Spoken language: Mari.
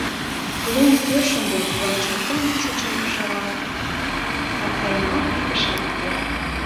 Лум тӧр шынден, тугак чаткан кӱшычын шава, капкайымал пий кышат уке.